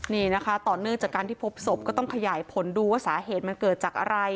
นี่นะคะต่อเนื่องจากการที่พบศพก็ต้องขยายผลดูว่าสาเหตุมันเกิดจากอะไร